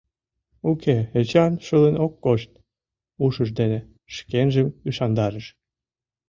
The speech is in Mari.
«Уке, Эчан шылын ок кошт», — ушыж дене шкенжым ӱшандарыш.